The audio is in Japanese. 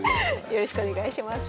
よろしくお願いします。